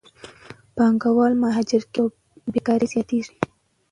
پانګهوال مهاجر کېږي او بیکارۍ زیاتېږي.